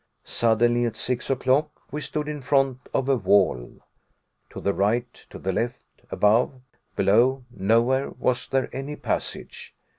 Suddenly, at six o'clock, we stood in front of a wall. To the right, to the left above, below, nowhere was there any passage.